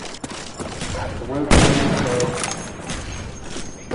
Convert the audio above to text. غوېکه وه یِن که:ـ